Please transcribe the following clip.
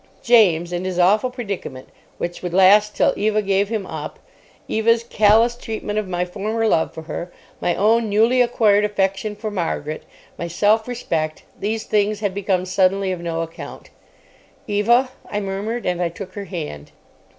James, and his awful predicament, which would last till Eva gave him up; Eva's callous treatment of my former love for her; my own newly acquired affection for Margaret; my self respect—these things had become suddenly of no account. "Eva," I murmured; and I took her hand.